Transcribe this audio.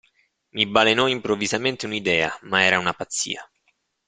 Mi balenò improvvisamente un'idea, ma era una pazzia.